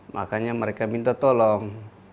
makanya mereka minta tolong